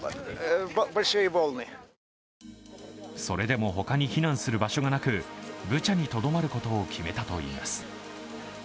それでも他に避難する場所がなくブチャにとどまることを決めたといいます。